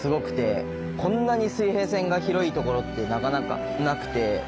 こんなに水平線が広いところってなかなかなくて。